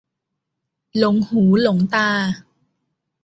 หลงหูหลงตา